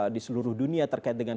di seluruh dunia terkait dengan